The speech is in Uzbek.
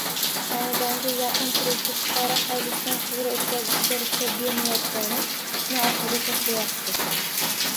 Xonadonga yaqin turuvchi fuqaro hovlisidan quvur oʻtkazishga ruxsat bermayotgani ishni orqaga tashlayapti.